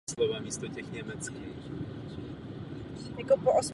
Následovala postupně stavba dvou menších bazénů.